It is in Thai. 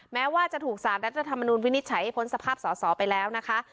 แม้ว่าจะถูกสารรัฐธรรมนุนวินิจฉัยให้พ้นสภาพสอสอไปแล้วนะคะ